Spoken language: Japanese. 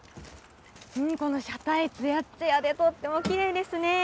この車体、つやっつやでとてもきれいですね。